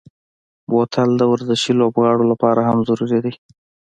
بوتل د ورزشي لوبغاړو لپاره هم ضروري دی.